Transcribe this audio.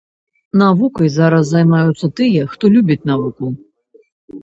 Навукай зараз займаюцца тыя, хто любіць навуку.